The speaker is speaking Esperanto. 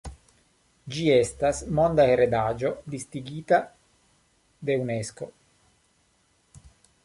Ĝi estas Monda Heredaĵo listigita de Unesko.